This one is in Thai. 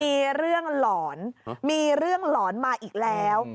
มีเรื่องหลอนมีเรื่องหลอนมาอีกแล้ว